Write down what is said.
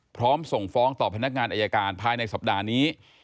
พร้อมส่งฟ้องต่อพนักงานอายการภายในสัปดาห์นี้